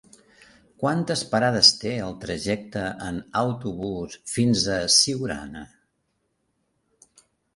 Quantes parades té el trajecte en autobús fins a Siurana?